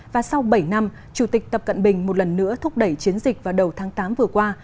và sau bảy năm chủ tịch tập cận bình một lần nữa thúc đẩy chiến dịch vào đầu tháng tám vừa qua